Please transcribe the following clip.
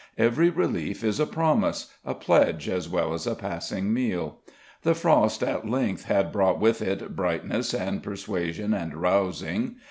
Every relief is a promise, a pledge as well as a passing meal. The frost at length had brought with it brightness and persuasion and rousing.